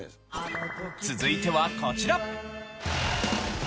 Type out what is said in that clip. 続いてはこちら。